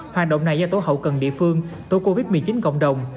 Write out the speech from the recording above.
hoạt động này do tổ hậu cần địa phương tổ covid một mươi chín cộng đồng